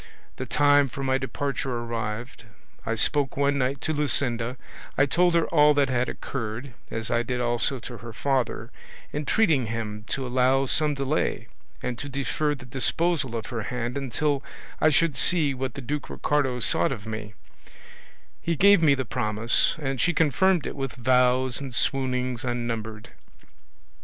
The time for my departure arrived; I spoke one night to Luscinda, I told her all that had occurred, as I did also to her father, entreating him to allow some delay, and to defer the disposal of her hand until I should see what the Duke Ricardo sought of me: he gave me the promise, and she confirmed it with vows and swoonings unnumbered.